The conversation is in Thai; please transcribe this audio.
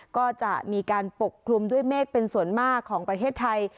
ก็จะมีการปกคลุมด้วยเมฆเป็นส่วนมากของประเทศไทย